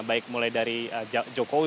baik mulai dari jokowi